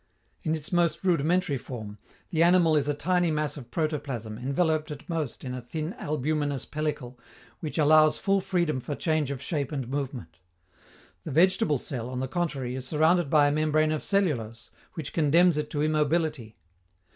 In its most rudimentary form, the animal is a tiny mass of protoplasm enveloped at most in a thin albuminous pellicle which allows full freedom for change of shape and movement. The vegetable cell, on the contrary, is surrounded by a membrane of cellulose, which condemns it to immobility.